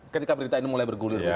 ketika berita ini mulai bergulir